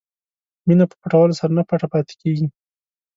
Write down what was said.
مینه په پټولو سره نه پټه پاتې کېږي.